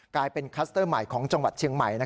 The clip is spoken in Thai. กลายเป็นคลัสเตอร์ใหม่ของจังหวัดเชียงใหม่